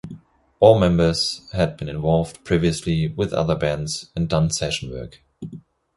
All members had been involved previously with other bands and done session work.